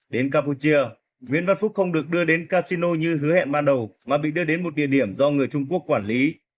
đến campuchia nguyễn văn phúc không được đưa đến casino như hứa hẹn ban đầu mà bị đưa đến một địa điểm do người trung quốc quản lý